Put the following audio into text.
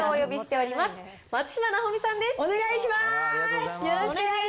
お願いします。